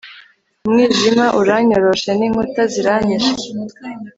umwijima uranyoroshe, n'inkuta zirampishe